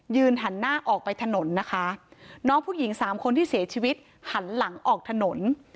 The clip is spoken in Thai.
หันหน้าออกไปถนนนะคะน้องผู้หญิงสามคนที่เสียชีวิตหันหลังออกถนน